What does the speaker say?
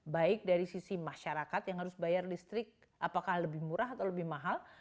baik dari sisi masyarakat yang harus bayar listrik apakah lebih murah atau lebih mahal